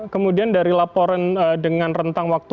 kemudian dari laporan dengan rentang waktu